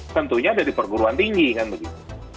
tentunya dari perguruan tinggi kan begitu